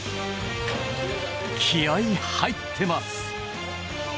気合入ってます。